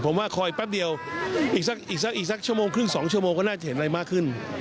ผมว่าคอยแป๊บเดียวอีกสักอีกสักชั่วโมงครึ่ง๒ชั่วโมงก็น่าจะเห็นอะไรมากขึ้น